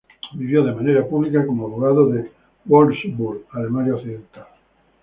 Vivió de manera pública como abogado en Wolfsburg, Alemania occidental.